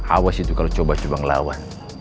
awas itu kalau coba coba ngelawan